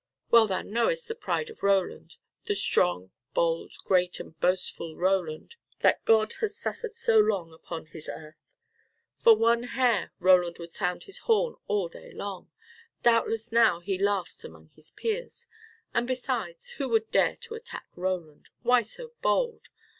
Well thou knowest the pride of Roland, the strong, bold, great and boastful Roland, that God hath suffered so long upon His earth. For one hare Roland would sound his horn all day long. Doubtless now he laughs among his peers. And besides, who would dare to attack Roland? Who so bold?